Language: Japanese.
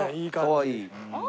かわいい。